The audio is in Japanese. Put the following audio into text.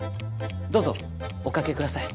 どうぞお掛けください。